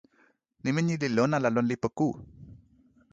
nimi ni li lon ala lon lipu ku?